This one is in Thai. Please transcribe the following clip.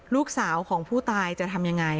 ลูกสาวของผู้ตายจะทำยังไง